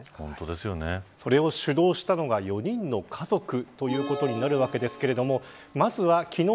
もう話にならないそれを主導したのが、４人の家族ということになるわけですがまずは昨日。